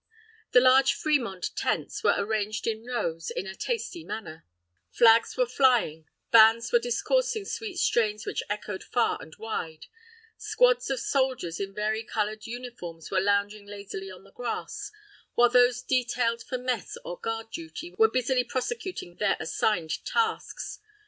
The large "Fremont" tents were arranged in rows, in a tasty manner; flags were flying; bands were discoursing sweet strains which echoed far and wide; squads of soldiers in vari colored uniforms were lounging lazily on the grass, while those detailed for mess or guard duty, were busily prosecuting their assigned tasks.